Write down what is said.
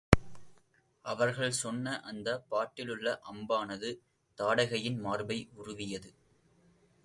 அவர்கள் சொன்ன அந்தப் பாட்டிலுள்ள அம்பானது தாடகையின் மார்பை உருவியது.